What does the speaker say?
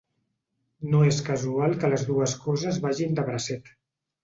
No és casual que les dues coses vagin de bracet.